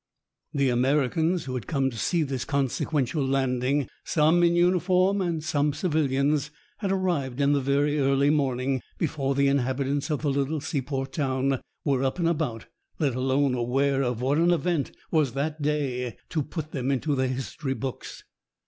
The Americans, who had come to see this consequential landing, some in uniform and some civilians, had arrived in the very early morning, before the inhabitants of the little seaport town were up and about, let alone aware of what an event was that day to put them into the history books.